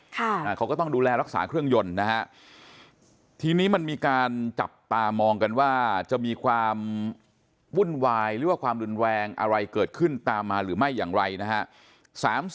เขาก็ต้องดูแลรักษาเครื่องยนต์นะฮะทีนี้มันมีการจับตามองกันว่าจะมีความวุ่นวายหรือว่าความรุนแรงอะไรเกิดขึ้นตามมาหรือไม่อย่างไรนะฮะ